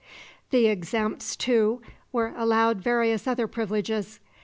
The exempts, too, were allowed various other privileges.